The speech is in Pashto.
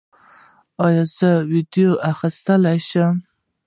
ایا زه ویډیو اخیستلی شم؟